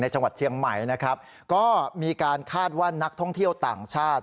จังหวัดเชียงใหม่นะครับก็มีการคาดว่านักท่องเที่ยวต่างชาติ